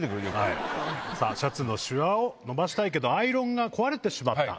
シャツのシワを伸ばしたいけどアイロンが壊れてしまった。